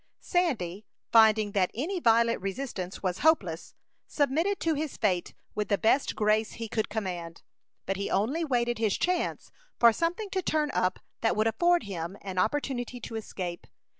Sandy, finding that any violent resistance was hopeless, submitted to his fate with the best grace he could command; but he only waited his chance for something to turn up that would afford him an opportunity to escape.